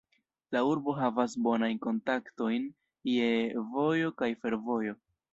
La urbo havas bonajn kontaktojn je vojo kaj fervojo.